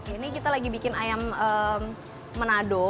ini kita lagi bikin ayam menado